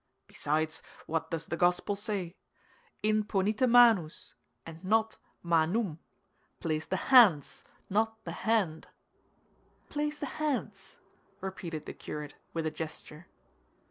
Besides, what does the Gospel say? Imponite manus, and not manum—place the hands, not the hand." "Place the hands," repeated the curate, with a gesture.